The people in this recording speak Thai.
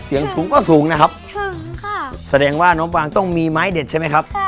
เสียงสูงก็สูงนะครับสูงค่ะแสดงว่าน้องวางต้องมีไม้เด็ดใช่ไหมครับ